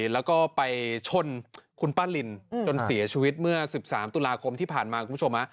แล้วก็ไปชนคุณป้าลินจนเสียชีวิตเมื่อ๑๓ตุลาคมที่ผ่านมาคุณผู้ชม